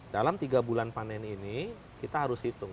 dalam tiga bulan panen ini kita harus hitung